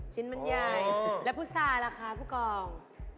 ชิ้นมันใหญ่แล้วพุษาล่ะคะผู้กอง